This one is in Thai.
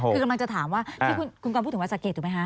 คือกำลังจะถามว่าที่คุณกรพูดถึงวัดสะเกดถูกไหมคะ